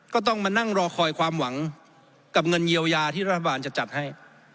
ก็ต้องมานั่งรอคอยความหวังกับเงินเยียวยาที่รัฐบาลจะจัดให้